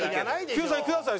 救済ください。